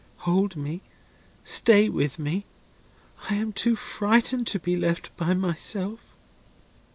Hold me! Stay with me! I am too frightened to be left by myself."